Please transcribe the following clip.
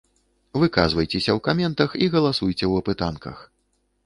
Выказвайцеся ў каментах і галасуйце ў апытанках!